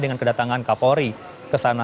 dengan kedatangan kapolri ke sana